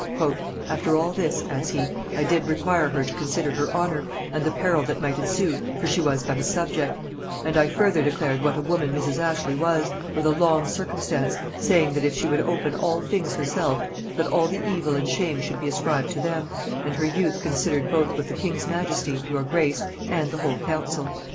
"After all this," adds he, "I did require her to consider her honor, and the peril that might ensue, for she was but a subject; and I further declared what a woman Mrs. Ashley was, with a long circumstance, saying that if she would open all things herself, that all the evil and shame should be ascribed to them, and her youth considered both with the king's majesty, your grace, and the whole council.